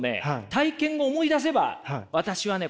体験を思い出せば私はね